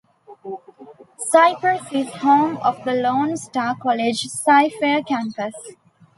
Cypress is home of the Lone Star College-CyFair campus.